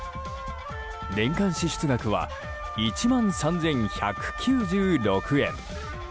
年間支出額は１万３１９６円。